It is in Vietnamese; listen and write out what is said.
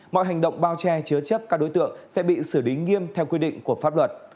mọi hành động bao che chứa chấp các đối tượng sẽ bị xử lý nghiêm theo quy định của pháp luật